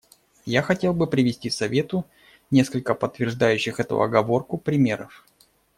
Я хотел бы привести Совету несколько подтверждающих эту оговорку примеров.